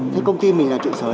thế công ty mình là trụ sở đâu ạ